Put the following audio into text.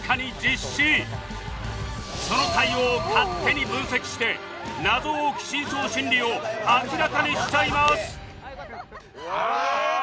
その対応を勝手に分析して謎多き深層心理を明らかにしちゃいますはあ！